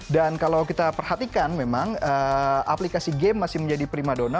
dan kalau kita perhatikan memang aplikasi game masih menjadi prima donna